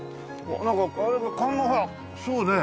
なんかこれがほらそうね。